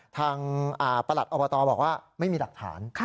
ประหลัดอบตบอกว่าไม่มีหลักฐาน